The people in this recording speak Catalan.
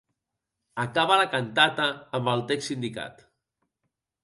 Acaba la cantata amb el text indicat.